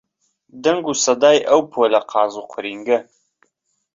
دەنگ و سەدای ئەو پۆلە قاز و قورینگە